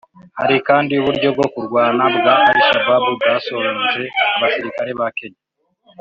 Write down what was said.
Hari kandi uburyo bwo kurwana bwa Al Shabaab bwazonze abasirikare ba Kenya